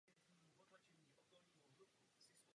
Na zádi se nachází přistávací plocha pro vrtulník Super Puma.